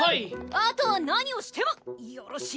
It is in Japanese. あとは何をしてもよろしい。